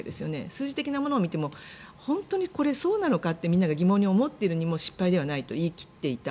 数字的なものを見ても本当にこれ、そうなのかってみんなが疑問に思っていても失敗じゃないと言い切っていた。